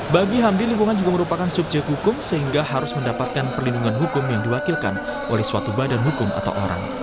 bagi hamdi lingkungan juga merupakan subjek hukum sehingga harus mendapatkan perlindungan hukum yang diwakilkan oleh suatu badan hukum atau orang